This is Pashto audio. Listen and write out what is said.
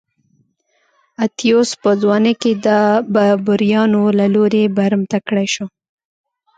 اتیوس په ځوانۍ کې د بربریانو له لوري برمته کړای شو